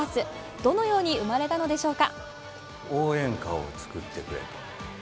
どのように生まれたのでしょうか。